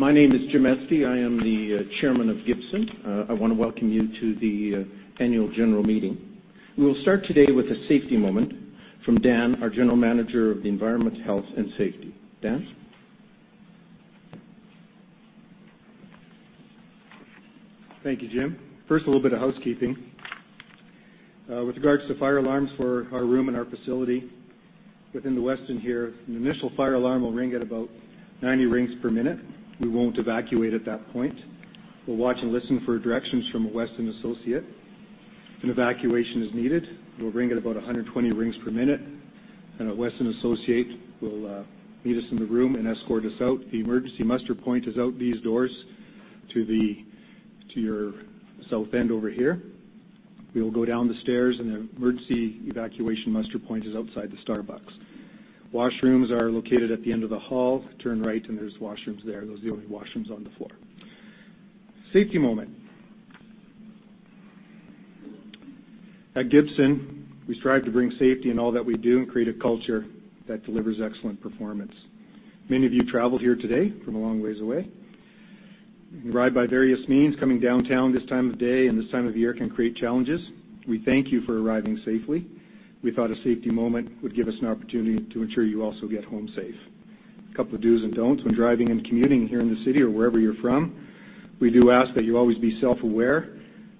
My name is James Estey. I am the Chairman of Gibson Energy. I want to welcome you to the annual general meeting. We will start today with a safety moment from Dan, our General Manager of the Environment, Health and Safety. Dan? Thank you, Jim. First, a little bit of housekeeping. With regards to fire alarms for our room and our facility within The Westin here, an initial fire alarm will ring at about 90 rings per minute. We won't evacuate at that point. We'll watch and listen for directions from a Westin associate. If an evacuation is needed, it will ring at about 120 rings per minute, and a Westin associate will meet us in the room and escort us out. The emergency muster point is out these doors to your south end over here. We will go down the stairs, and the emergency evacuation muster point is outside the Starbucks. Washrooms are located at the end of the hall. Turn right, and there's washrooms there. Those are the only washrooms on the floor. Safety moment. At Gibson Energy, we strive to bring safety in all that we do and create a culture that delivers excellent performance. Many of you traveled here today from a long ways away. You ride by various means. Coming downtown this time of day and this time of year can create challenges. We thank you for arriving safely. We thought a safety moment would give us an opportunity to ensure you also get home safe. A couple of dos and don'ts when driving and commuting here in the city or wherever you're from. We do ask that you always be self-aware,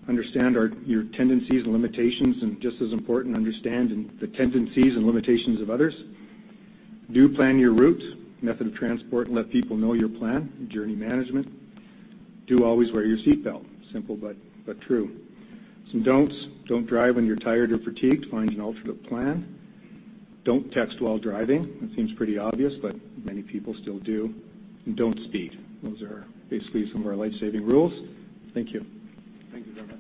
understand your tendencies and limitations, and just as important, understand the tendencies and limitations of others. Do plan your route, method of transport, and let people know your plan, journey management. Do always wear your seatbelt. Simple but true. Some don'ts. Don't drive when you're tired or fatigued. Find an alternate plan. Don't text while driving. That seems pretty obvious, but many people still do. Don't speed. Those are basically some of our life-saving rules. Thank you. Thank you very much.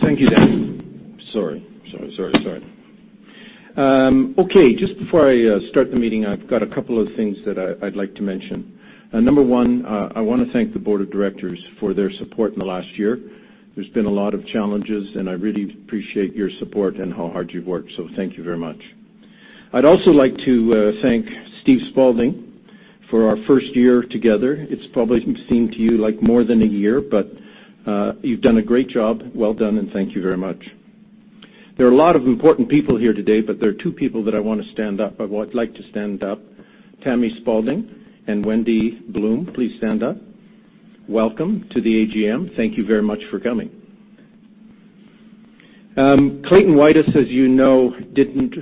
Thank you, Dan. Just before I start the meeting, I've got a couple of things that I'd like to mention. Number 1, I want to thank the board of directors for their support in the last year. There's been a lot of challenges, and I really appreciate your support and how hard you've worked, so thank you very much. I'd also like to thank Steve Spalding for our first year together. It's probably seemed to you like more than a year, but you've done a great job. Well done, and thank you very much. There are a lot of important people here today, but there are two people that I want to stand up. I would like to stand up Tammy Spalding and Wendy Bloom, please stand up. Welcome to the AGM. Thank you very much for coming. Clayton Woitas, as you know, didn't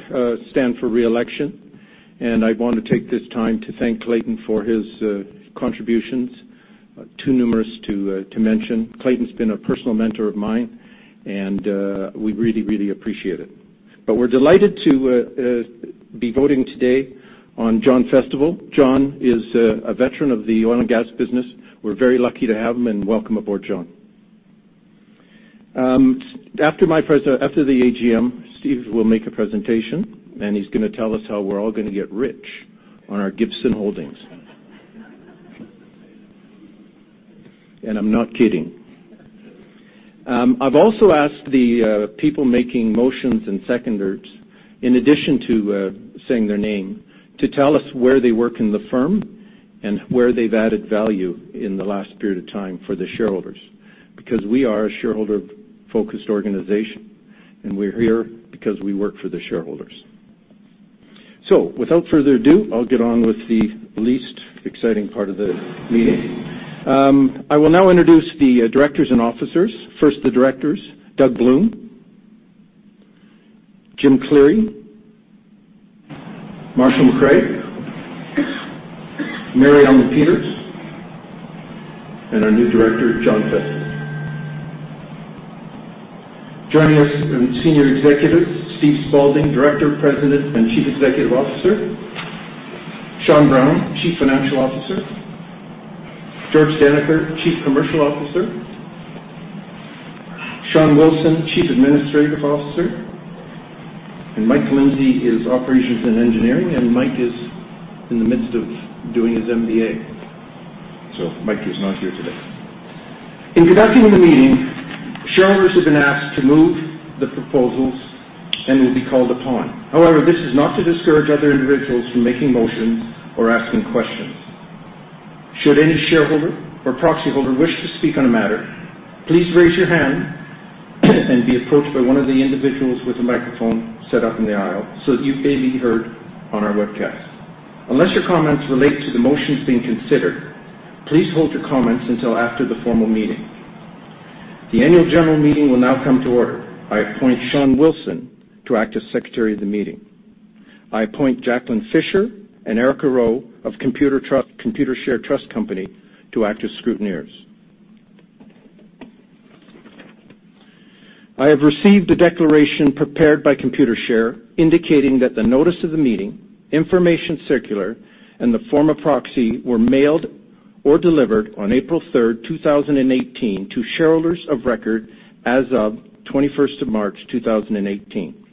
stand for re-election. I want to take this time to thank Clayton for his contributions, too numerous to mention. Clayton's been a personal mentor of mine, and we really appreciate it. We're delighted to be voting today on John Festival. John is a veteran of the oil and gas business. We're very lucky to have him and welcome aboard, John. After the AGM, Steve will make a presentation, he's going to tell us how we're all going to get rich on our Gibson holdings. I'm not kidding. I've also asked the people making motions and seconders, in addition to saying their name, to tell us where they work in the firm and where they've added value in the last period of time for the shareholders because we are a shareholder-focused organization, and we're here because we work for the shareholders. Without further ado, I'll get on with the least exciting part of the meeting. I will now introduce the Directors and Officers. First, the Directors, Doug Bloom, Jim Cleary, Marshall McRae, Mary Ellen Peters, and our new Director, John Festival. Joining us from senior executives, Steve Spalding, Director, President, and Chief Executive Officer, Sean Brown, Chief Financial Officer, George Daneker, Chief Commercial Officer, Sean Wilson, Chief Administrative Officer. Mike Lindsay is Operations and Engineering. Mike is in the midst of doing his MBA. Mike is not here today. In conducting the meeting, shareholders have been asked to move the proposals and will be called upon. This is not to discourage other individuals from making motions or asking questions. Should any shareholder or proxy holder wish to speak on a matter, please raise your hand and be approached by one of the individuals with a microphone set up in the aisle so that you may be heard on our webcast. Unless your comments relate to the motions being considered, please hold your comments until after the formal meeting. The annual general meeting will now come to order. I appoint Sean Wilson to act as Secretary of the meeting. I appoint Jacqueline Fisher and Erica Rowe of Computershare Trust Company to act as scrutineers. I have received a declaration prepared by Computershare indicating that the notice of the meeting, information circular, and the form of proxy were mailed or delivered on April 3rd, 2018, to shareholders of record as of 21st of March, 2018.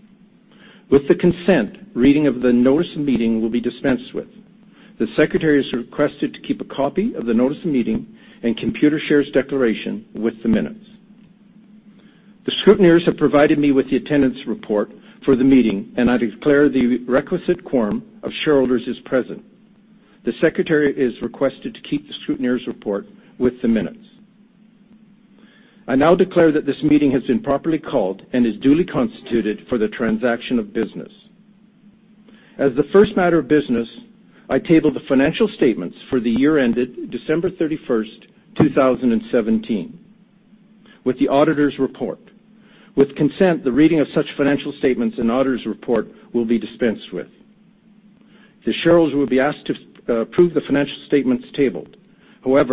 With the consent, reading of the notice of meeting will be dispensed with. The secretary is requested to keep a copy of the notice of meeting and Computershare's declaration with the minutes. The scrutineers have provided me with the attendance report for the meeting, and I declare the requisite quorum of shareholders is present. The secretary is requested to keep the scrutineers report with the minutes. I now declare that this meeting has been properly called and is duly constituted for the transaction of business. As the first matter of business, I table the financial statements for the year ended December 31st, 2017, with the auditors report. With consent, the reading of such financial statements and auditors report will be dispensed with. The shareholders will be asked to approve the financial statements tabled.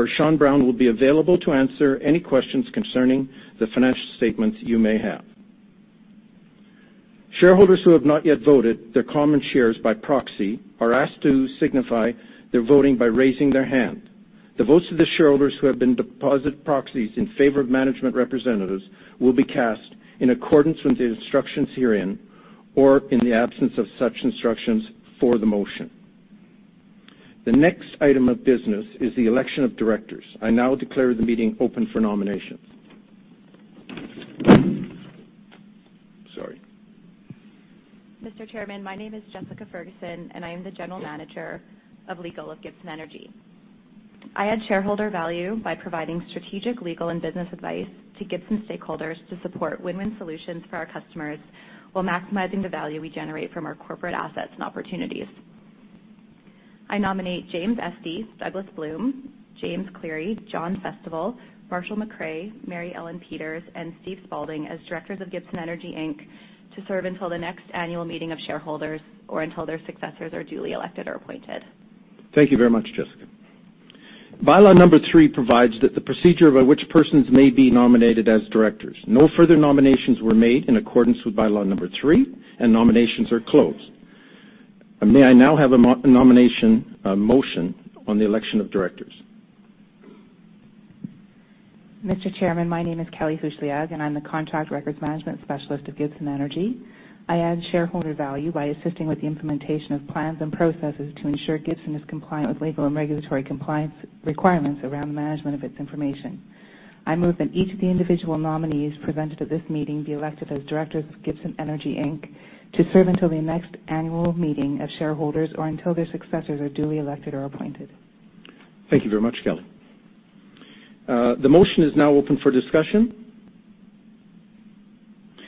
Sean Brown will be available to answer any questions concerning the financial statements you may have. Shareholders who have not yet voted their common shares by proxy are asked to signify their voting by raising their hand. The votes of the shareholders who have been deposit proxies in favor of management representatives will be cast in accordance with the instructions herein, or in the absence of such instructions, for the motion. The next item of business is the election of directors. I now declare the meeting open for nominations. Sorry. Mr. Chairman, my name is Jessica Ferguson, and I am the General Manager of Legal of Gibson Energy. I add shareholder value by providing strategic, legal, and business advice to Gibson stakeholders to support win-win solutions for our customers while maximizing the value we generate from our corporate assets and opportunities. I nominate James Estey, Douglas Bloom, James Cleary, John Festival, Marshall McRae, Mary Ellen Peters, and Steve Spalding as directors of Gibson Energy Inc to serve until the next annual meeting of shareholders, or until their successors are duly elected or appointed. Thank you very much, Jessica. By-law number three provides that the procedure by which persons may be nominated as directors. No further nominations were made in accordance with by-law number three, and nominations are closed. May I now have a nomination motion on the election of directors. Mr. Chairman, my name is Kelly Fetsch, and I'm the Contract Records Management Specialist of Gibson Energy. I add shareholder value by assisting with the implementation of plans and processes to ensure Gibson is compliant with legal and regulatory compliance requirements around the management of its information. I move that each of the individual nominees presented at this meeting be elected as directors of Gibson Energy Inc. to serve until the next annual meeting of shareholders, or until their successors are duly elected or appointed. Thank you very much, Kelly. The motion is now open for discussion.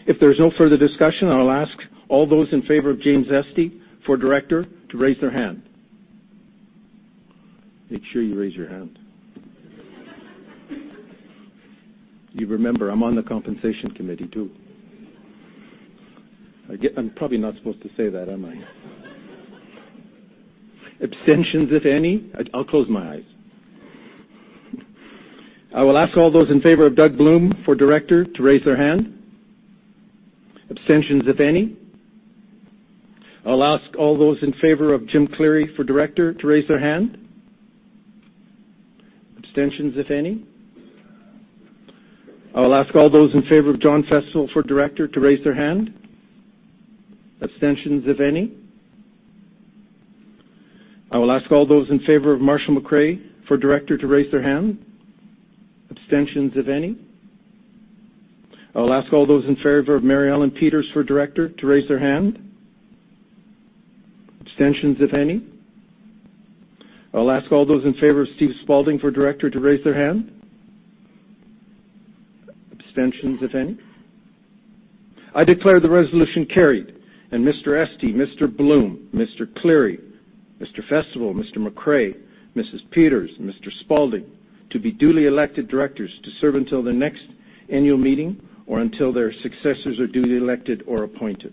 If there's no further discussion, I will ask all those in favor of James Estey for director to raise their hand. Make sure you raise your hand. You remember, I'm on the compensation committee too. I'm probably not supposed to say that, am I? Abstentions, if any. I'll close my eyes. I will ask all those in favor of Doug Bloom for director to raise their hand. Abstentions, if any. I'll ask all those in favor of Jim Cleary for director to raise their hand. Abstentions, if any. I will ask all those in favor of John Festival for director to raise their hand. Abstentions, if any. I will ask all those in favor of Marshall McRae for director to raise their hand. Abstentions, if any. I will ask all those in favor of Mary Ellen Peters for director to raise their hand. Abstentions, if any. I'll ask all those in favor of Steve Spaulding for director to raise their hand. Abstentions, if any. I declare the resolution carried, and Mr. Estey, Mr. Bloom, Mr. Cleary, Mr. Festival, Mr. McRae, Mrs. Peters, Mr. Spaulding, to be duly elected directors to serve until the next annual meeting or until their successors are duly elected or appointed.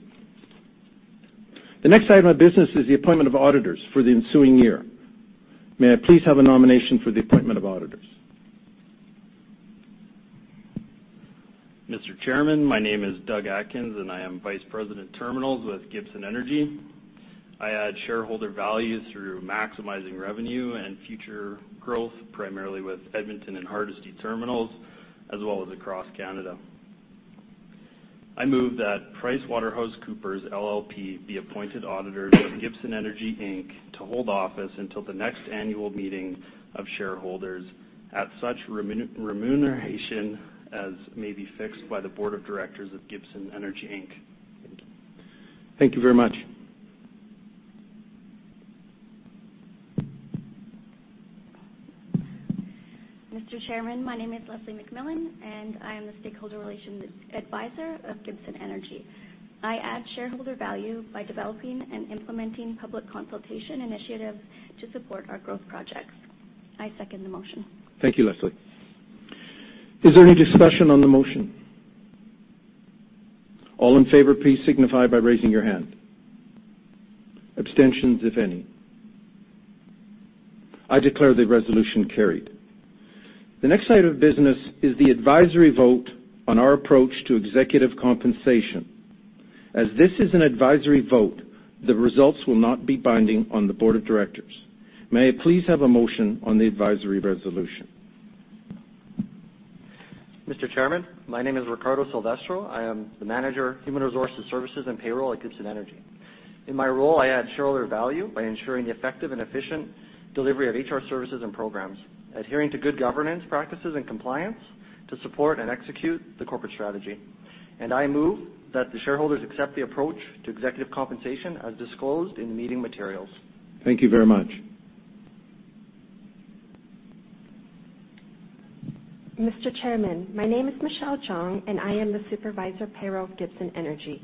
The next item of business is the appointment of auditors for the ensuing year. May I please have a nomination for the appointment of auditors Mr. Chairman, my name is Doug Atkins, and I am Vice President Terminals with Gibson Energy. I add shareholder value through maximizing revenue and future growth, primarily with Edmonton and Hardisty terminals, as well as across Canada. I move that PricewaterhouseCoopers LLP be appointed auditors of Gibson Energy Inc. to hold office until the next annual meeting of shareholders at such remuneration as may be fixed by the Board of Directors of Gibson Energy Inc. Thank you. Thank you very much. Mr. Chairman, my name is Leslie McMillan, and I am the Stakeholder Relations Advisor of Gibson Energy. I add shareholder value by developing and implementing public consultation initiatives to support our growth projects. I second the motion. Thank you, Leslie. Is there any discussion on the motion? All in favor, please signify by raising your hand. Abstentions, if any. I declare the resolution carried. The next item of business is the advisory vote on our approach to executive compensation. As this is an advisory vote, the results will not be binding on the board of directors. May I please have a motion on the advisory resolution. Mr. Chairman, my name is Riccardo Silvestro. I am the Manager, Human Resources Services and Payroll at Gibson Energy. In my role, I add shareholder value by ensuring the effective and efficient delivery of HR services and programs, adhering to good governance practices and compliance to support and execute the corporate strategy. I move that the shareholders accept the approach to executive compensation as disclosed in the meeting materials. Thank you very much. Mr. Chairman, my name is Michelle Gung, I am the supervisor of payroll at Gibson Energy.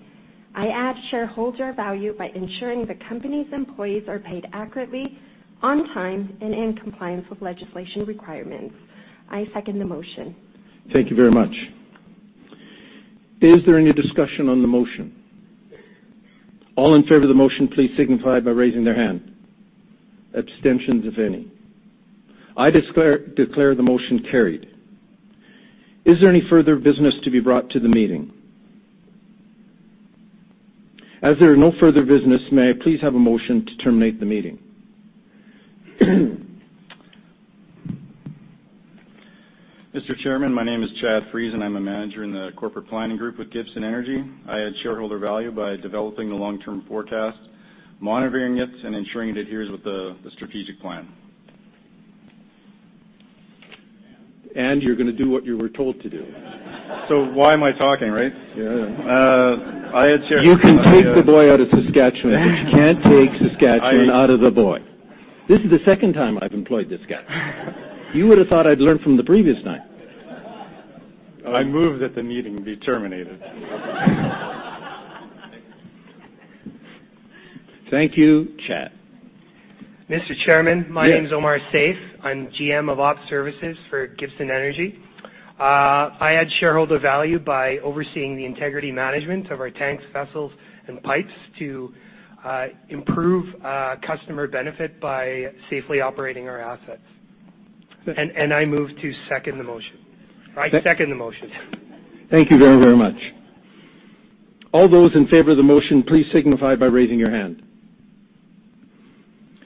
I add shareholder value by ensuring the company's employees are paid accurately, on time, and in compliance with legislation requirements. I second the motion. Thank you very much. Is there any discussion on the motion? All in favor of the motion, please signify by raising their hand. Abstentions, if any. I declare the motion carried. Is there any further business to be brought to the meeting? There are no further business, may I please have a motion to terminate the meeting? Mr. Chairman, my name is Chad Friesen, I'm a manager in the corporate planning group with Gibson Energy. I add shareholder value by developing the long-term forecast, monitoring it, and ensuring it adheres with the strategic plan. You're going to do what you were told to do. Why am I talking, right? Yeah. You can take the boy out of Saskatchewan, but you can't take Saskatchewan out of the boy. This is the second time I've employed this guy. You would have thought I'd learned from the previous time. I move that the meeting be terminated. Thank you, Chad. Mr. Chairman. Yes. My name is Omar Saif. I'm GM of Op Services for Gibson Energy. I add shareholder value by overseeing the integrity management of our tanks, vessels, and pipes to improve customer benefit by safely operating our assets. I move to second the motion. I second the motion. Thank you very, very much. All those in favor of the motion, please signify by raising your hand.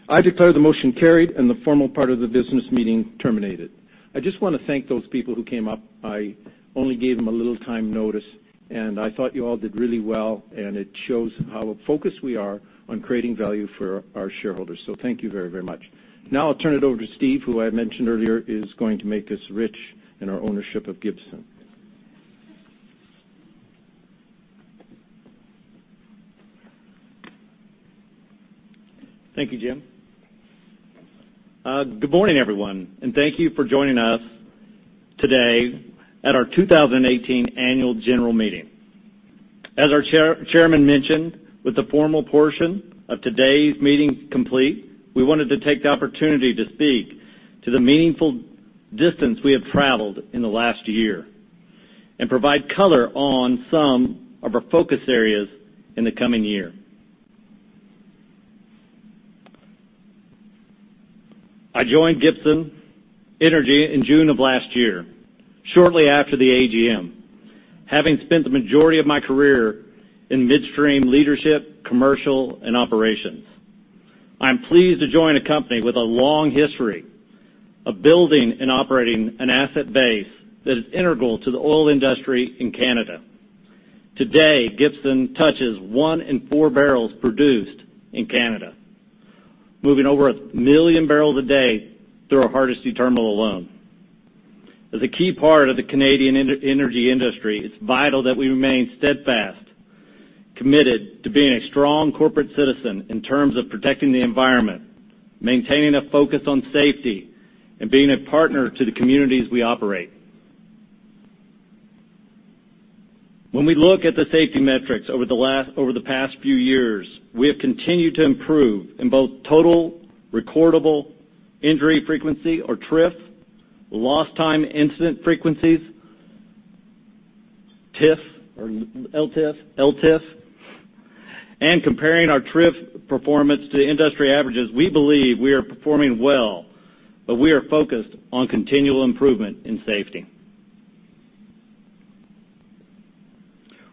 I declare the motion carried and the formal part of the business meeting terminated. I just want to thank those people who came up. I only gave them a little time notice, and I thought you all did really well, and it shows how focused we are on creating value for our shareholders. Thank you very, very much. Now I'll turn it over to Steve, who I had mentioned earlier is going to make us rich in our ownership of Gibson. Thank you, Jim. Good morning, everyone, and thank you for joining us today at our 2018 Annual General Meeting. As our chairman mentioned, with the formal portion of today's meeting complete, we wanted to take the opportunity to speak to the meaningful distance we have traveled in the last year and provide color on some of our focus areas in the coming year. I joined Gibson Energy in June of last year, shortly after the AGM, having spent the majority of my career in midstream leadership, commercial, and operations. I'm pleased to join a company with a long history of building and operating an asset base that is integral to the oil industry in Canada. Today, Gibson touches one in four barrels produced in Canada, moving over a million barrels a day through our Hardisty terminal alone. As a key part of the Canadian energy industry, it's vital that we remain steadfast, committed to being a strong corporate citizen in terms of protecting the environment, maintaining a focus on safety, and being a partner to the communities we operate. When we look at the safety metrics over the past few years, we have continued to improve in both total recordable injury frequency, or TRIF, lost time incident frequencies, LTIF, and comparing our TRIF performance to industry averages. We believe we are performing well, but we are focused on continual improvement in safety.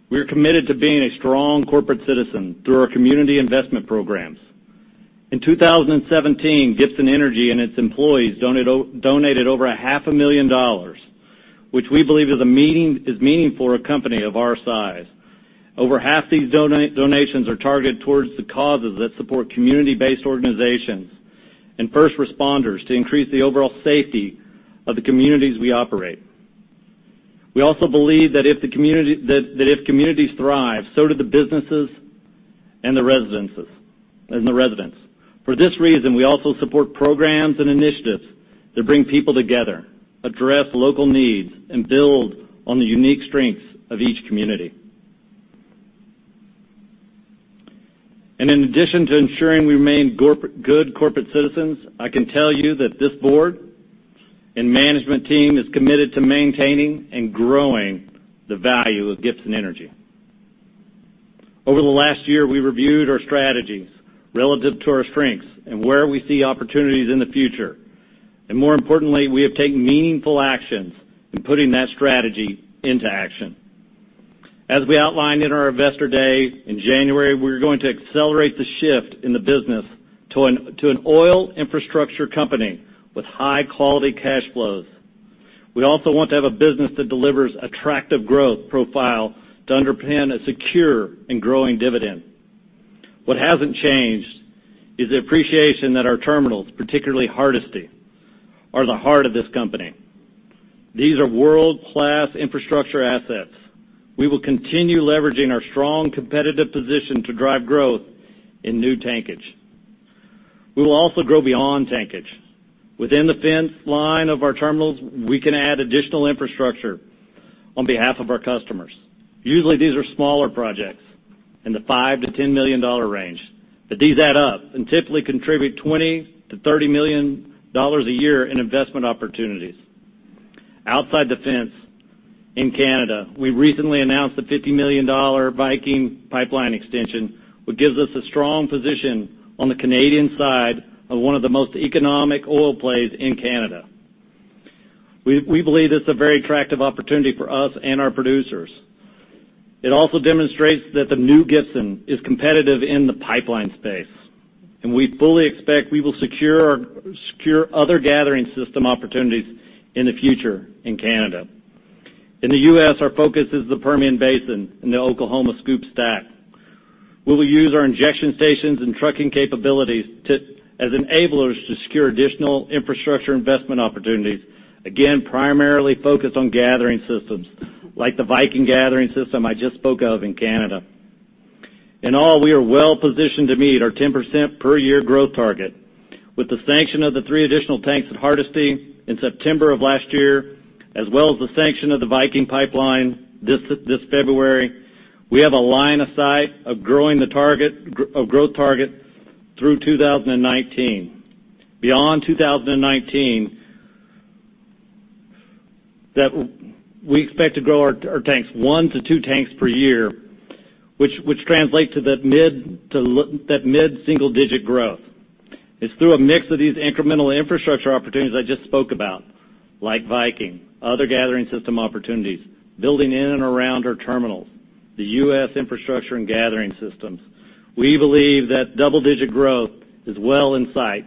We are committed to being a strong corporate citizen through our community investment programs. In 2017, Gibson Energy and its employees donated over a half a million CAD, which we believe is meaningful for a company of our size. Over half these donations are targeted towards the causes that support community-based organizations and first responders to increase the overall safety of the communities we operate. We also believe that if communities thrive, so do the businesses and the residents. For this reason, we also support programs and initiatives that bring people together, address local needs, and build on the unique strengths of each community. In addition to ensuring we remain good corporate citizens, I can tell you that this board and management team is committed to maintaining and growing the value of Gibson Energy. Over the last year, we reviewed our strategies relative to our strengths and where we see opportunities in the future. More importantly, we have taken meaningful actions in putting that strategy into action. As we outlined in our Investor Day in January, we're going to accelerate the shift in the business to an oil infrastructure company with high-quality cash flows. We also want to have a business that delivers attractive growth profile to underpin a secure and growing dividend. What hasn't changed is the appreciation that our terminals, particularly Hardisty, are the heart of this company. These are world-class infrastructure assets. We will continue leveraging our strong competitive position to drive growth in new tankage. We will also grow beyond tankage. Within the fence line of our terminals, we can add additional infrastructure on behalf of our customers. Usually, these are smaller projects in the 5 million-10 million dollar range, but these add up and typically contribute 20 million-30 million dollars a year in investment opportunities. Outside the fence in Canada, we recently announced a 50 million dollar Viking Pipeline extension, which gives us a strong position on the Canadian side of one of the most economic oil plays in Canada. We believe it's a very attractive opportunity for us and our producers. It also demonstrates that the new Gibson is competitive in the pipeline space, and we fully expect we will secure other gathering system opportunities in the future in Canada. In the U.S., our focus is the Permian Basin and the Oklahoma SCOOP/STACK. We will use our injection stations and trucking capabilities as enablers to secure additional infrastructure investment opportunities, again, primarily focused on gathering systems like the Viking gathering system I just spoke of in Canada. In all, we are well positioned to meet our 10% per year growth target. With the sanction of the three additional tanks at Hardisty in September of last year, as well as the sanction of the Viking Pipeline this February, we have a line of sight of growing the growth target through 2019. Beyond 2019, we expect to grow our tanks one to two tanks per year, which translate to that mid-single-digit growth. It's through a mix of these incremental infrastructure opportunities I just spoke about, like Viking, other gathering system opportunities, building in and around our terminals, the U.S. infrastructure and gathering systems. We believe that double-digit growth is well in sight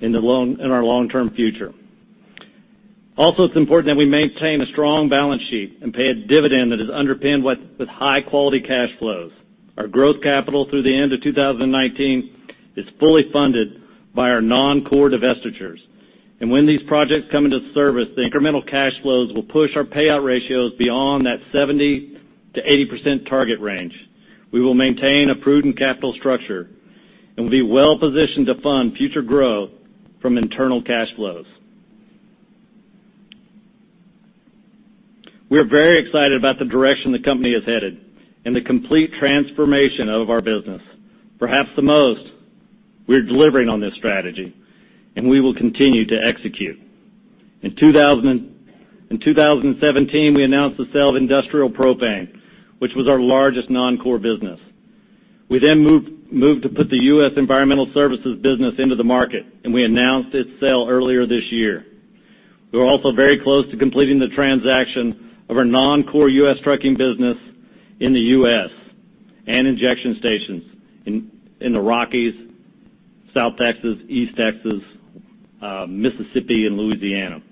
in our long-term future. Also, it's important that we maintain a strong balance sheet and pay a dividend that is underpinned with high-quality cash flows. Our growth capital through the end of 2019 is fully funded by our non-core divestitures. When these projects come into service, the incremental cash flows will push our payout ratios beyond that 70%-80% target range. We will maintain a prudent capital structure and be well positioned to fund future growth from internal cash flows. We're very excited about the direction the company is headed and the complete transformation of our business. We're delivering on this strategy, and we will continue to execute. In 2017, we announced the sale of Industrial Propane, which was our largest non-core business. We then moved to put the U.S. Environmental Services business into the market, and we announced its sale earlier this year. We're also very close to completing the transaction of our non-core U.S. trucking business in the U.S. and injection stations in the Rockies, South Texas, East Texas, Mississippi, and Louisiana.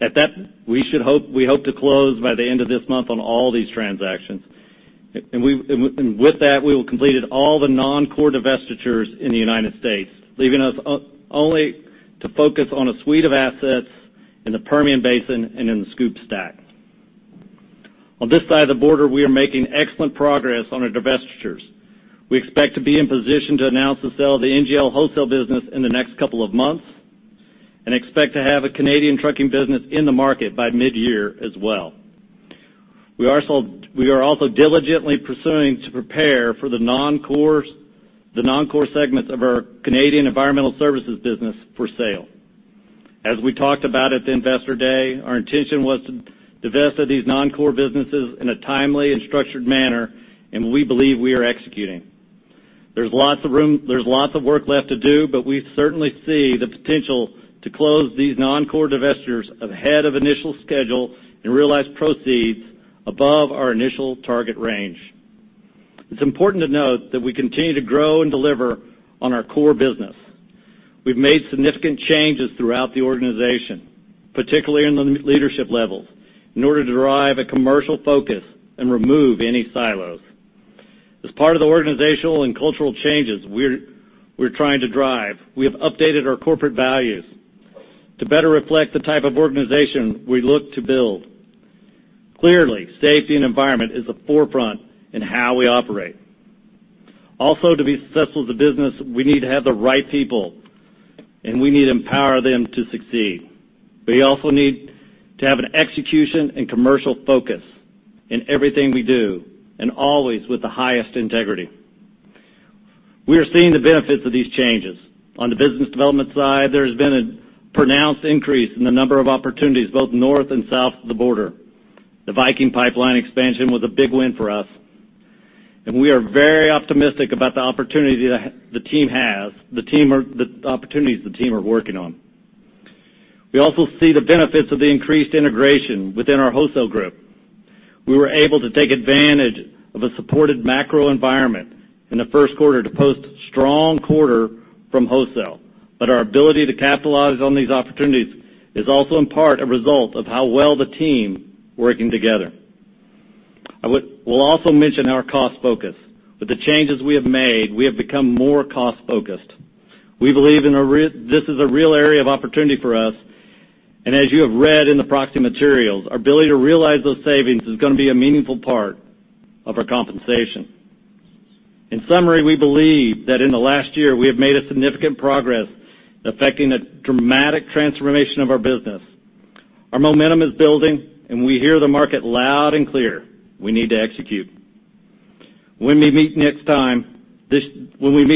At that, we hope to close by the end of this month on all these transactions. With that, we will complete all the non-core divestitures in the United States, leaving us only to focus on a suite of assets in the Permian Basin and in the SCOOP/STACK. On this side of the border, we are making excellent progress on our divestitures. We expect to be in position to announce the sale of the NGL wholesale business in the next couple of months and expect to have a Canadian trucking business in the market by mid-year as well. We are also diligently pursuing to prepare for the non-core segments of our Canadian Environmental Services business for sale. As we talked about at the investor day, our intention was to divest of these non-core businesses in a timely and structured manner, and we believe we are executing. There's lots of work left to do. We certainly see the potential to close these non-core divestitures ahead of initial schedule and realize proceeds above our initial target range. It's important to note that we continue to grow and deliver on our core business. We've made significant changes throughout the organization, particularly in the leadership levels, in order to derive a commercial focus and remove any silos. As part of the organizational and cultural changes we're trying to drive, we have updated our corporate values to better reflect the type of organization we look to build. Clearly, safety and environment is a forefront in how we operate. To be successful as a business, we need to have the right people and we need to empower them to succeed. We also need to have an execution and commercial focus in everything we do and always with the highest integrity. We are seeing the benefits of these changes. On the business development side, there has been a pronounced increase in the number of opportunities both north and south of the border. The Viking Pipeline expansion was a big win for us, and we are very optimistic about the opportunities the team are working on. We also see the benefits of the increased integration within our wholesale group. We were able to take advantage of a supported macro environment in the first quarter to post strong quarter from wholesale. Our ability to capitalize on these opportunities is also in part a result of how well the team working together. I will also mention our cost focus. With the changes we have made, we have become more cost-focused. We believe this is a real area of opportunity for us, and as you have read in the proxy materials, our ability to realize those savings is going to be a meaningful part of our compensation. In summary, we believe that in the last year, we have made a significant progress affecting a dramatic transformation of our business. Our momentum is building, and we hear the market loud and clear. We need to execute. When we meet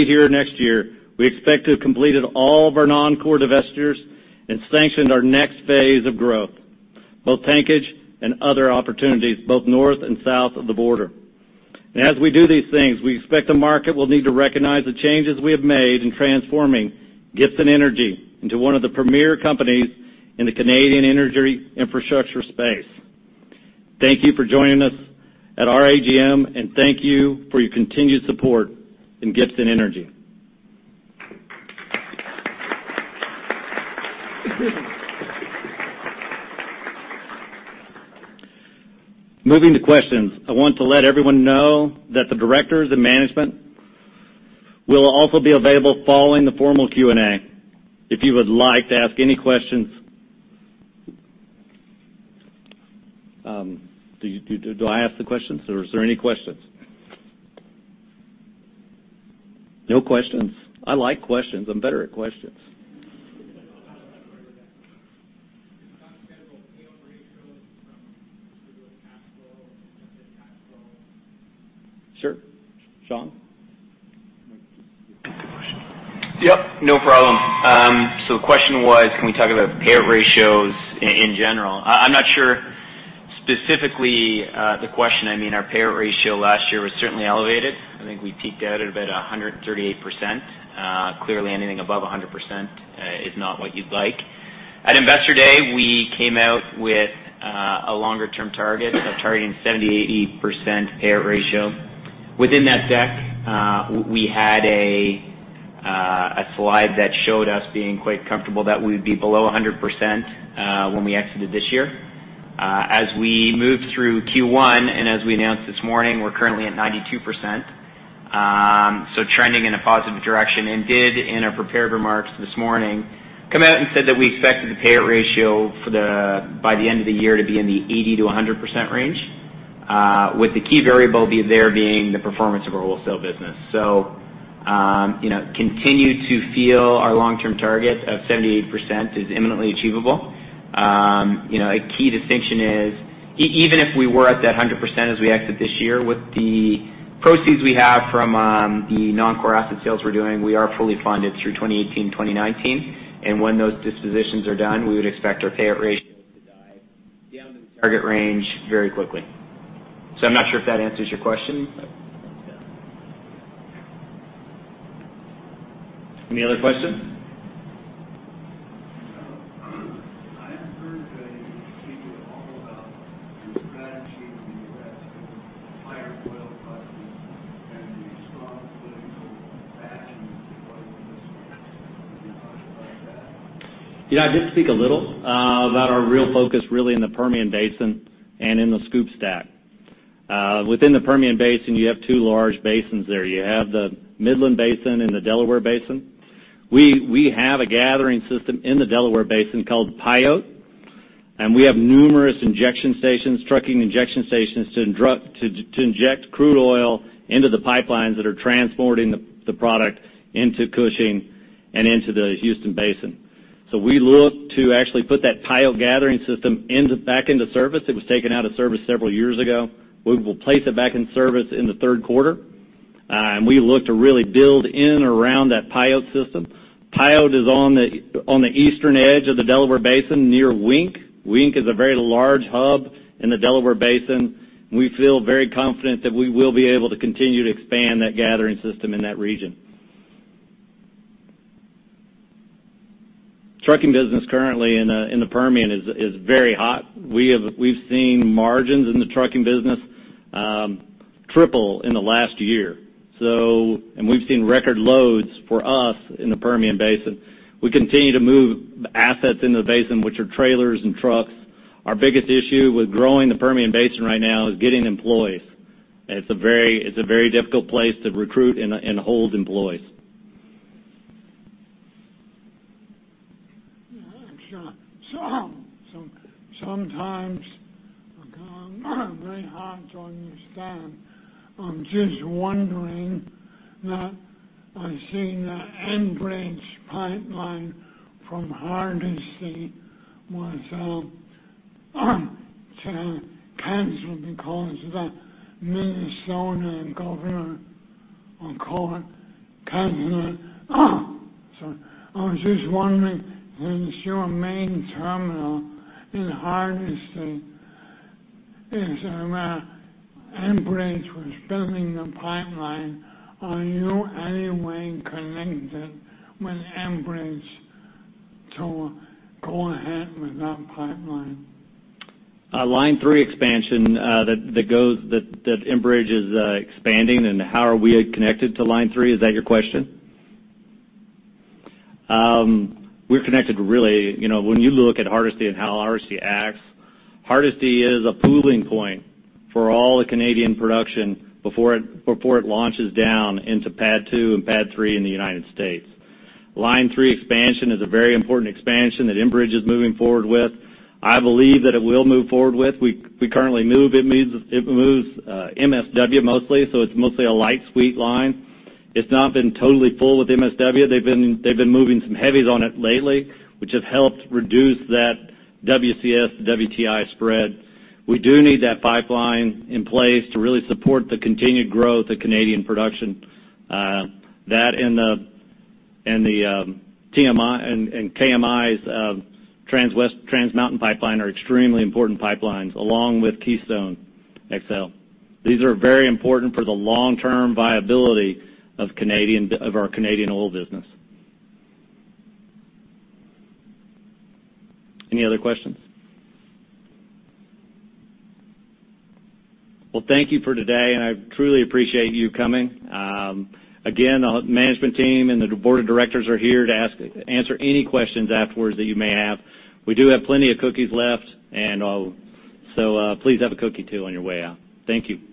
here next year, we expect to have completed all of our non-core divestitures and sanctioned our next phase of growth, both tankage and other opportunities, both north and south of the border. As we do these things, we expect the market will need to recognize the changes we have made in transforming Gibson Energy into one of the premier companies in the Canadian energy infrastructure space. Thank you for joining us at our AGM and thank you for your continued support in Gibson Energy. Moving to questions. I want to let everyone know that the directors and management will also be available following the formal Q&A if you would like to ask any questions. Do I ask the questions or is there any questions? No questions. I like questions. I'm better at questions. Can you talk a little about payout ratios from particular cash flow, adjusted cash flow? Sure. Sean? Repeat the question. Yep, no problem. The question was, can we talk about payout ratios in general? I'm not sure specifically the question. Our payout ratio last year was certainly elevated. I think we peaked out at about 138%. Clearly, anything above 100% is not what you'd like. At Investor Day, we came out with a longer-term target of targeting 70%-80% payout ratio. Within that deck, we had a slide that showed us being quite comfortable that we'd be below 100% when we exited this year. As we moved through Q1, and as we announced this morning, we're currently at 92%. Trending in a positive direction and did in our prepared remarks this morning, come out and said that we expected the payout ratio by the end of the year to be in the 80%-100% range, with the key variable there being the performance of our wholesale business. Continue to feel our long-term target of 78% is imminently achievable. A key distinction is, even if we were at that 100% as we exit this year, with the proceeds we have from the non-core asset sales we're doing, we are fully funded through 2018, 2019. When those dispositions are done, we would expect our payout ratio to dive down to the target range very quickly. I'm not sure if that answers your question. Yeah. Any other questions? I haven't heard you speak at all about your strategy in the U.S. with higher oil prices and the strong political bashing regarding this. Can you talk about that? Yeah, I did speak a little about our real focus really in the Permian Basin and in the SCOOP/STACK. Within the Permian Basin, you have two large basins there. You have the Midland Basin and the Delaware Basin. We have a gathering system in the Delaware Basin called Pyote, and we have numerous trucking injection stations to inject crude oil into the pipelines that are transporting the product into Cushing and into the Houston Basin. We look to actually put that Pyote gathering system back into service. It was taken out of service several years ago. We will place it back in service in the third quarter. We look to really build in around that Pyote system. Pyote is on the eastern edge of the Delaware Basin near Wink. Wink is a very large hub in the Delaware Basin. We feel very confident that we will be able to continue to expand that gathering system in that region. Trucking business currently in the Permian is very hot. We've seen margins in the trucking business triple in the last year. We've seen record loads for us in the Permian Basin. We continue to move assets into the basin, which are trailers and trucks. Our biggest issue with growing the Permian Basin right now is getting employees. It's a very difficult place to recruit and hold employees. Yeah. Sean. Sometimes I find it very hard to understand. I'm just wondering that I've seen the Enbridge pipeline from Hardisty was canceled because the Minnesota governor called it canceled it. I was just wondering since your main terminal in Hardisty is around Enbridge was building the pipeline. Are you any way connected with Enbridge to go ahead with that pipeline? Line 3 expansion that Enbridge is expanding and how are we connected to Line 3, is that your question? We're connected when you look at Hardisty and how Hardisty acts, Hardisty is a pooling point for all the Canadian production before it launches down into PADD 2 and PADD 3 in the U.S. Line 3 expansion is a very important expansion that Enbridge is moving forward with. I believe that it will move forward with. It moves MSW mostly, so it's mostly a light sweet line. It's not been totally full with MSW. They've been moving some heavies on it lately, which has helped reduce that WCS, WTI spread. We do need that pipeline in place to really support the continued growth of Canadian production. That and KMI's Trans Mountain Pipeline are extremely important pipelines along with Keystone XL. These are very important for the long-term viability of our Canadian oil business. Any other questions? Thank you for today, I truly appreciate you coming. Again, the management team and the board of directors are here to answer any questions afterwards that you may have. We do have plenty of cookies left, so please have a cookie too on your way out. Thank you.